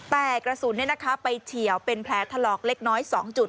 แต่กระสุนไปเฉียวเป็นแผลถลอกเล็กน้อย๒จุด